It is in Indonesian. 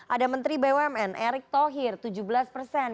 ada menteri bumn erick thohir tujuh belas persen